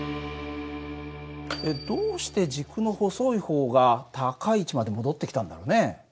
どうして軸の細い方が高い位置まで戻ってきたんだろうね？